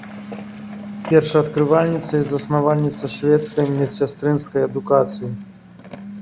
Першаадкрывальніца і заснавальніца шведскай медсястрынскай адукацыі.